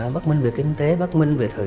bất minh về kinh tế bất minh về thông tin